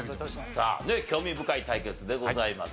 興味深い対決でございます。